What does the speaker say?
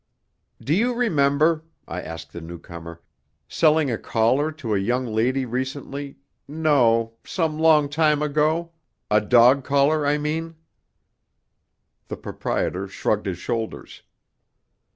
"Do you remember," I asked the newcomer, "selling a collar to a young lady recently no, some long time ago a dog collar, I mean?" The proprietor shrugged his shoulders.